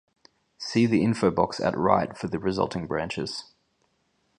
See the infobox at right for the resulting branches.